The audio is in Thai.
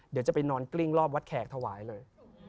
เดี๋ยวจะไปนอนกลิ้งรอบวัดแขกถวายเลย